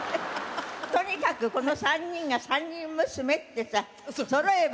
とにかくこの３人が三人娘ってさそろえば娘なんだからさ